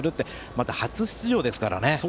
また、初出場ですからね。